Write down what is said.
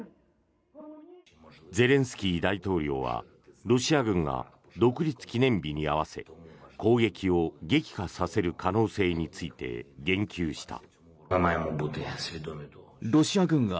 ゼレンスキー大統領はロシア軍が独立記念日に合わせ攻撃を激化させる可能性について言及した。